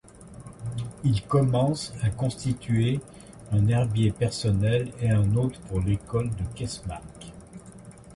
Il commence à constituer un herbier personnel et un autre pour l’école de Kesmark.